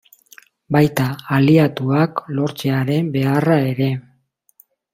Baita, aliatuak lortzearen beharra ere.